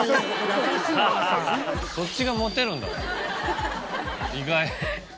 そっちがモテるんだ意外。